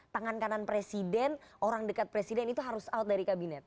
tangan kanan presiden orang dekat presiden itu harus out dari kabinet